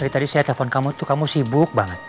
tadi saya telepon kamu tuh kamu sibuk banget